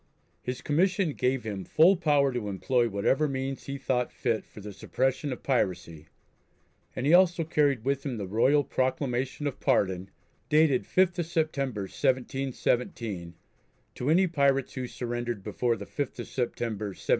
His commission gave him full power to employ whatever means he thought fit for the suppression of piracy, and he also carried with him the royal proclamation of pardon, dated 5th of September, 1717, to any pirates who surrendered before the 5th of September, 1718.